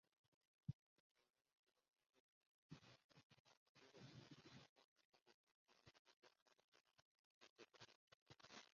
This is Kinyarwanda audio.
aho benshi bavuze ko bitubahirije ibyo Itegeko Nshinga rya Uganda riteganya